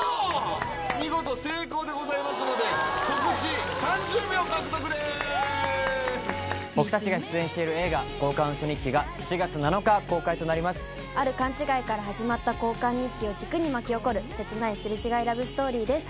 見事成功でございますのでイエーイ僕達が出演している映画「交換ウソ日記」が７月７日公開となりますある勘違いから始まった交換日記を軸に巻き起こる切ないすれ違いラブストーリーです